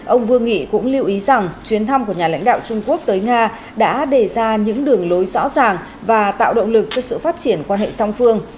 ông vương nghị cũng lưu ý rằng chuyến thăm của nhà lãnh đạo trung quốc tới nga đã đề ra những đường lối rõ ràng và tạo động lực cho sự phát triển quan hệ song phương